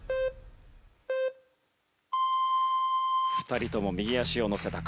２人とも右足をのせた。